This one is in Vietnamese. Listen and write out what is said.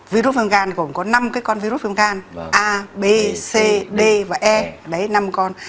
virus viêm gan gồm có năm cái con virus viêm gan a b c d và e đấy năm con